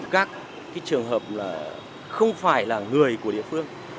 các trường hợp là không phải là người của địa phương